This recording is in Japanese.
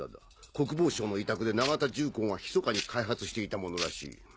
国防省の委託で永田重工がひそかに開発していたものらしい。